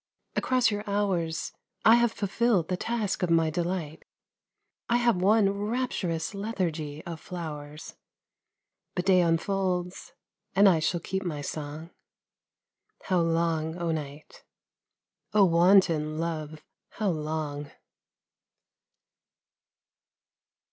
Across your hours I have fulfilled the task of my delight, I have won rapturous lethargy of flowers ; But day unfolds, and I shall keep my song How long, oh, night, oh, wanton love, how long